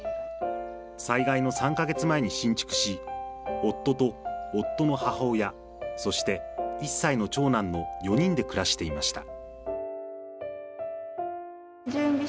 災害の３か月前に新築し夫と夫の母親そして１歳の長男の４人で暮らしていました